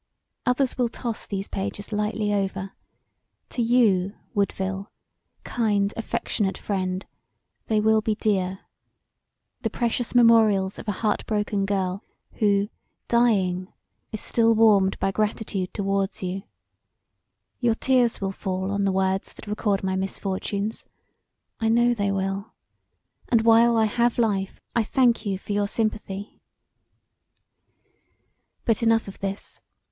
Others will toss these pages lightly over: to you, Woodville, kind, affectionate friend, they will be dear the precious memorials of a heart broken girl who, dying, is still warmed by gratitude towards you: your tears will fall on the words that record my misfortunes; I know they will and while I have life I thank you for your sympathy. But enough of this.